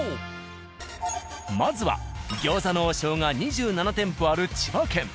まずは「餃子の王将」が２７店舗ある千葉県。